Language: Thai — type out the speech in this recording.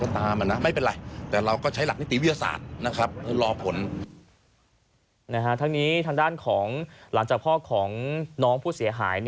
ทางนี้ทางด้านของหลังจากพ่อของน้องผู้เสียหาย